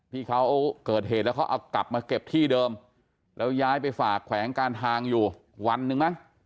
ที่เขาเกิดเหตุแล้วเขาเอากลับมาเก็บที่เดิมแล้วย้ายไปฝากแขวงการทางอยู่วันหนึ่งไหม